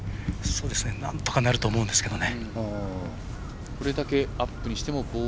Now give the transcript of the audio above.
なんとかなると思うんですけどね。